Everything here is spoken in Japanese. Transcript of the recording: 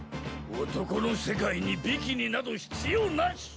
男の世界にビキニなど必要なし！